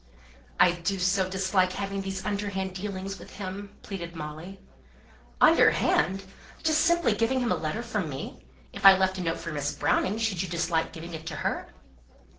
"I do so dislike having these underhand dealings with him," pleaded Molly. "Underhand! just simply giving him a letter from me! If I left a note for Miss Browning, should you dislike giving it to her?"